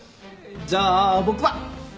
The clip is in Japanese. じゃあ僕は。